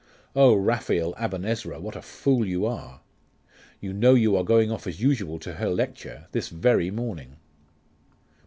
Oh, Raphael Aben Ezra, what a fool you are!.... You know you are going off as usual to her lecture, this very morning!